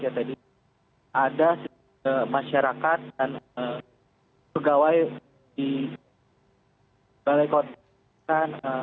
tadi ada masyarakat dan pegawai di balai kota